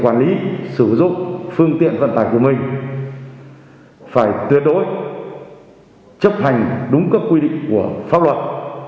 quản lý sử dụng phương tiện vận tải của mình phải tuyệt đối chấp hành đúng các quy định của pháp luật